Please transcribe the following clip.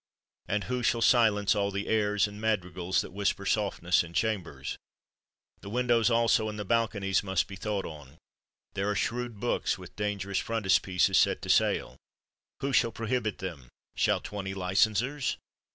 And who shall silence all the airs and madrigals that whis per softness in chambers? The windows, also, and the balconies must be thought on; there are shrewd books, with dangerous frontispieces, set to sale ; who shall prohibit them — shall twenty licensers